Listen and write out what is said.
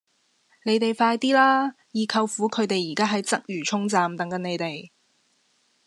你哋快啲啦!二舅父佢哋而家喺鰂魚涌站等緊你哋